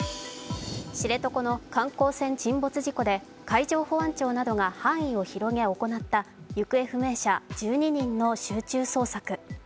知床の観光船沈没事故で海上保安庁などが範囲を広げ行った行方不明者１２人の集中捜索。